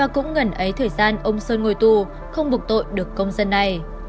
cũng ngần ấy thời gian ông sơn ngồi tù không bục tội được công dân này